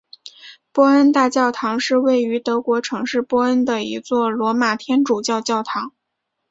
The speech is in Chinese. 波恩大教堂是位于德国城市波恩的一座罗马天主教教堂。